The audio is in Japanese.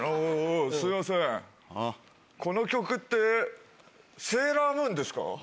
この曲って『セーラームーン』ですか？